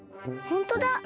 ほんとだ。